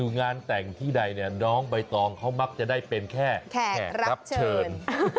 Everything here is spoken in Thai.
งานแต่งที่ใดเนี่ยน้องใบตองเขามักจะได้เป็นแค่แขกรับเชิญ